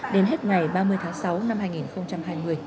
đến hết ngày ba mươi tháng sáu năm hai nghìn hai mươi